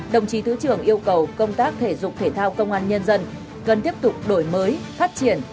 đồng chí thứ trưởng yêu cầu công tác thể dục thể thao công an nhân dân cần tiếp tục đổi mới phát triển